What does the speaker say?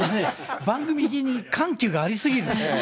番組的に緩急がありすぎるんで。